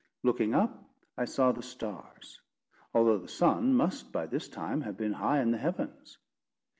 Looking up, I saw the stars; although the sun must by this time have been high in the heavens.